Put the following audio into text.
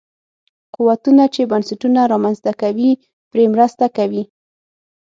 قوتونه چې بنسټونه رامنځته کوي پرې مرسته کوي.